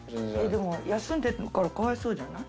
でも休んでるからかわいそうじゃない？